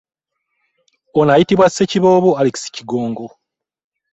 Ono ayitibwa Ssekiboobo Alex Kigongo.